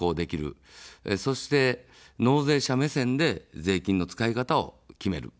そして、納税者目線で税金の使い方を決める。